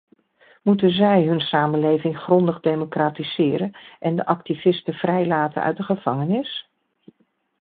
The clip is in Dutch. Moeten zij hun samenleving grondig democratiseren en de activisten vrijlaten uit de gevangenis?